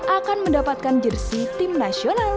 akan mendapatkan jersi timnasional